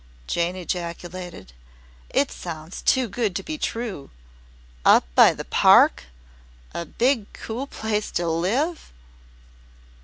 Jane ejaculated. "It sounds too good to be true! Up by the Park! A big cool place to live!"